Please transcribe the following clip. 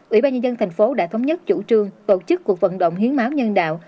ủy ban nhân dân thành phố đã thống nhất chủ trương tổ chức cuộc vận động hiến máu nhân đạo